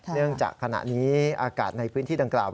เนื่องจากขณะนี้อากาศในพื้นที่ดังกล่าว